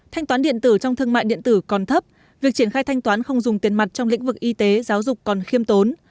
thanh toán điện tử trong thương mại điện tử còn thấp việc triển khai thanh toán không dùng tiền mặt trong lĩnh vực y tế giáo dục còn khiêm tốn